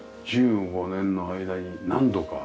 １５年の間に何度か？